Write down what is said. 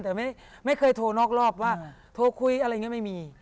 แต่ไม่เคยโทรนอกรอบว่าโทรคุยอะไรอย่างนี้ไม่มี